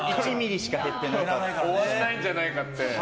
終わらないんじゃないかってね。